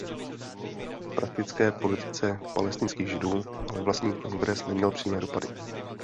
V praktické politice palestinských Židů ale vlastní kongres neměl přímé dopady.